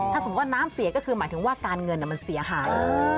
ถ้าสมมุติว่าน้ำเสียก็คือหมายถึงว่าการเงินมันเสียหาย